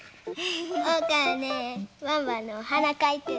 おうかはねワンワンのおはなかいてる。